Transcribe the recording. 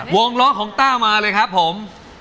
วงล้อของต้ามาเลยครับผม